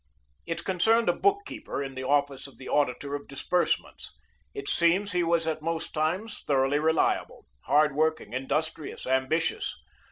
It concerned a book keeper in the office of the auditor of disbursements. It seems he was at most times thoroughly reliable, hard working, industrious, ambitious.